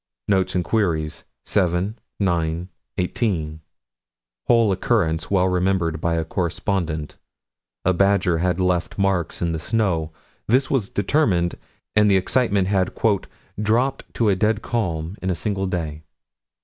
Notes and Queries, 7 9 18: Whole occurrence well remembered by a correspondent: a badger had left marks in the snow: this was determined, and the excitement had "dropped to a dead calm in a single day."